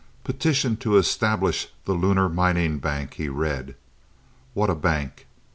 "'Petition to establish the Lunar Mining Bank,'" he read. "What a bank!